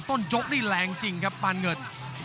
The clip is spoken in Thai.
จกนี่แรงจริงครับปานเงิน